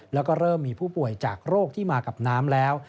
แล้วก็เริ่มมีผู้ป่วยจากโรคที่มากับน้ำแล้ว